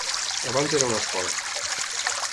Abans era una escola.